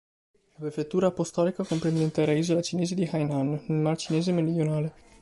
La prefettura apostolica comprende l'intera isola cinese di Hainan, nel mar Cinese Meridionale.